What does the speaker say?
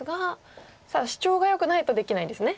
シチョウがよくないとできないんですね。